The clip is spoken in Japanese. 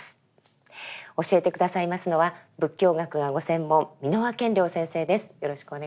教えて下さいますのは仏教学がご専門蓑輪顕量先生です。